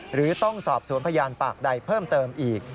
หรือต้องสอบสวนพยานปากใดเพิ่มเติมอีก